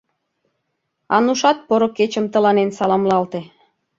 — Анушат поро кечым тыланен саламлалте.